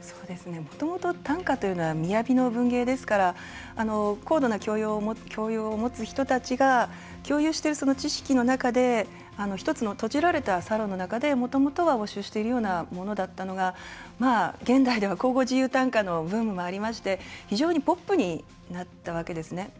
もともと短歌というのはみやびの文芸ですから高度な教養を持つ人たちが共有してる、その知識の中で、１つの閉じられたサロンの中でもともとは応酬しているようなものだったのが現代では口語自由短歌のブームもありまして、非常にポップになったわけですね。